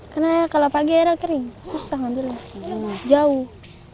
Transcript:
karena kalau pagi airnya kering susah nanti jauh